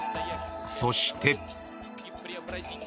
そして。